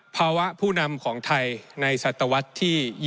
ผู้นำของไทยในศตวรรษที่๒